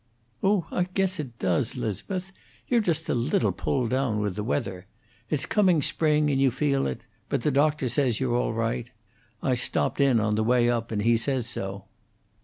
"Oh, I guess it does, 'Liz'beth. You're just a little pulled down with the weather. It's coming spring, and you feel it; but the doctor says you're all right. I stopped in, on the way up, and he says so."